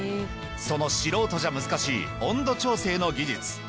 その素人じゃ難しい温度調整の技術